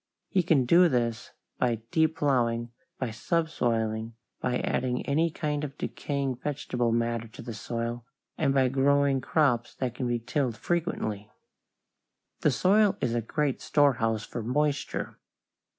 He can do this by deep plowing, by subsoiling, by adding any kind of decaying vegetable matter to the soil, and by growing crops that can be tilled frequently. The soil is a great storehouse for moisture.